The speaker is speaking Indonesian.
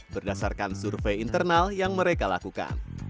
berdasarkan survei internal yang mereka lakukan